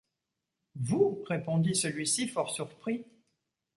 Vous? répondit celui-ci fort surpris.